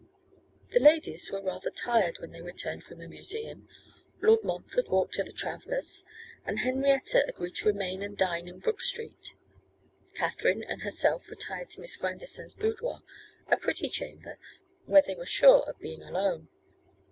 The ladies were rather tired when they returned from the Museum. Lord Montfort walked to the Travellers, and Henrietta agreed to remain and dine in Brook street. Katherine and herself retired to Miss Grandison's boudoir, a pretty chamber, where they were sure of being alone.